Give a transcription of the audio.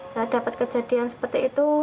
saya dapat kejadian seperti itu